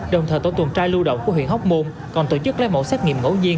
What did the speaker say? đồng thời tổ tuần tra lưu động của huyện hóc môn còn tổ chức lấy mẫu xét nghiệm ngẫu nhiên